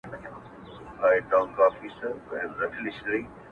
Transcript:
له خوب چي پاڅي. توره تياره وي.